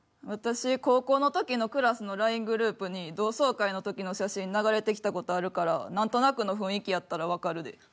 私高校の時のクラスのＬＩＮＥグループに同窓会の時の写真流れてきた事あるから何となくの雰囲気やったらわかるで。